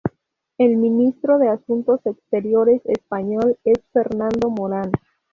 El Ministro de Asuntos Exteriores español es Fernando Morán.